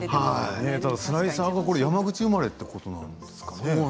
スライサーは山口生まれということなんですね。